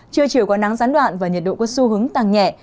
trưa chiều có nắng gián đoạn và nhiệt độ có xu hướng tăng nhẹ